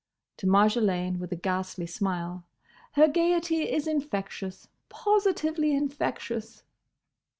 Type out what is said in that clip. To Marjolaine, with a ghastly smile, "Her gaiety is infectious; positively infectious!"